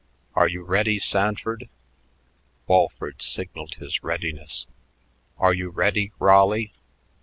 "Are you ready, Sanford?" Walford signaled his readiness. "Are you ready, Raleigh?"